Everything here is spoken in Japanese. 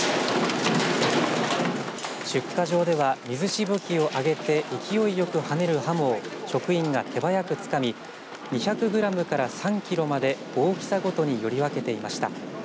出荷場では水しぶきをあげて勢いよくはねるハモを職員が手早くつかみ２００グラムから３キロまで大きさごとにより分けていました。